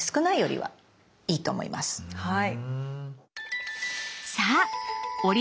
はい。